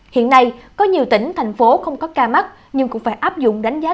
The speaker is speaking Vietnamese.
hiện nay có nhiều tỉnh thành phố không có ca mắc nhưng cũng phải áp dụng đánh giá